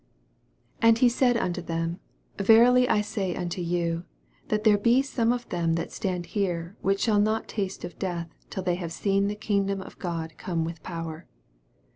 1 And he said unto them, Verily I Bay unto you, That there be some of them that stand here, which shall not taste of death, till they have seen the kingdom of God come with power.